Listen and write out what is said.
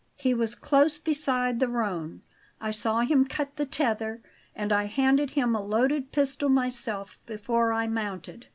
He was close beside the roan I saw him cut the tether and I handed him a loaded pistol myself before I mounted.